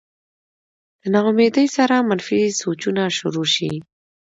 د نا امېدۍ سره منفي سوچونه شورو شي